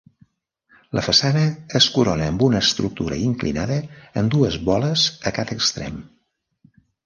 La façana es corona amb una estructura inclinada amb dues boles a cada extrem.